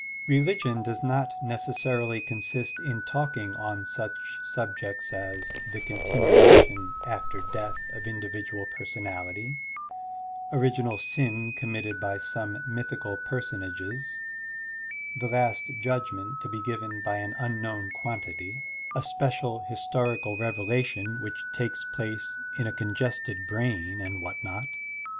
Religion does not necessarily consist in talking on such subjects as the continuation after death of individual personality, original sin com mitted by some mythical personages, the last judgment to be given by an unknown quantity, a special historical revelation which takes place in a congested brain, and what not.